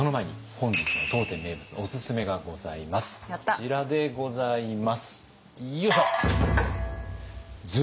こちらでございますよいしょ！